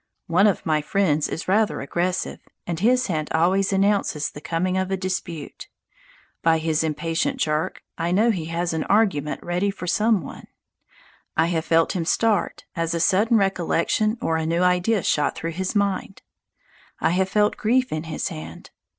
One of my friends is rather aggressive, and his hand always announces the coming of a dispute. By his impatient jerk I know he has argument ready for some one. I have felt him start as a sudden recollection or a new idea shot through his mind. I have felt grief in his hand.